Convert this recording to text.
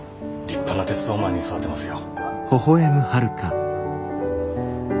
立派な鉄道マンに育てますよ。